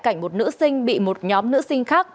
cảnh một nữ sinh bị một nhóm nữ sinh khác